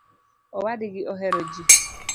Owadgi ohero jii